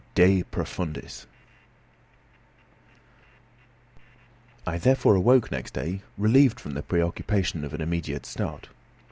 DE PROFUNDIS I therefore awoke next day relieved from the preoccupation of an immediate start.